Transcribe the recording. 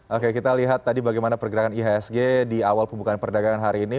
oke kita lihat tadi bagaimana pergerakan ihsg di awal pembukaan perdagangan hari ini